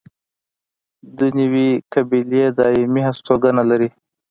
دوه نورې قبیلې دایمي هستوګنه لري.